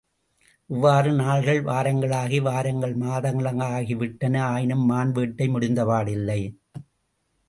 இவ்வாறு நாள்கள் வாரங்களாகி, வாரங்கள் மாதங்களாகி விட்டன ஆயினும், மான் வேட்டை முடிந்தபாடில்லை.